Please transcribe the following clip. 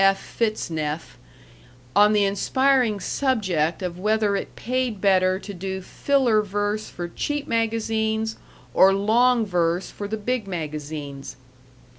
F. Fitzneff, on the inspiring subject of whether it paid better to do filler verse for cheap magazines, or long verse for the big magazines.